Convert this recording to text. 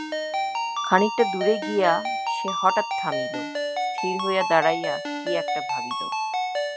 খানিকটা দূরে গিয়া সে হঠাৎ থামিল, স্থির হইয়া দাঁড়াইয়া কী-একটা ভাবিল।